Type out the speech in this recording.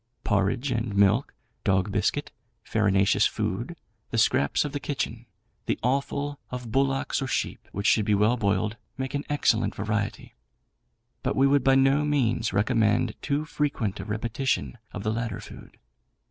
Porridge and milk, dog biscuit, farinaceous food, the scraps of the kitchen, the offal of bullocks or sheep, which should be well boiled, make an excellent variety; but we would by no means recommend too frequent a repetition of the latter food.